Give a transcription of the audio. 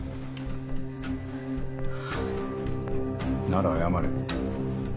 なら謝れ。